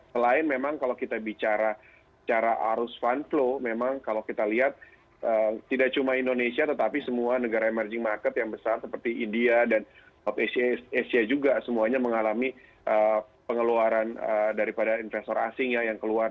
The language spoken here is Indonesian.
selain memang kalau kita bicara secara arus fun flow memang kalau kita lihat tidak cuma indonesia tetapi semua negara emerging market yang besar seperti india dan of asia juga semuanya mengalami pengeluaran daripada investor asing yang keluar